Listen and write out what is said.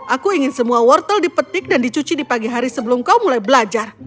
aku ingin semua wortel dipetik dan dicuci di pagi hari sebelum kau mulai belajar